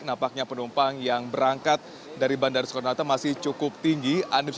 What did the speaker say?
nampaknya penumpang yang berangkat dari bandara soekarno hatta masih cukup tinggi